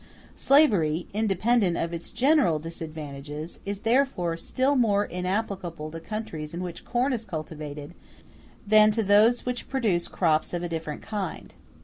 Slavery, independently of its general disadvantages, is therefore still more inapplicable to countries in which corn is cultivated than to those which produce crops of a different kind.